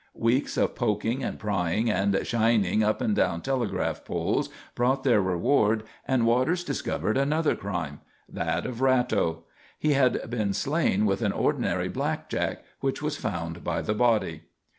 Weeks of poking and prying and shinning up and down telegraph poles brought their reward and Waters discovered another crime: that of Ratto. He had been slain with an ordinary blackjack, which was found by the body.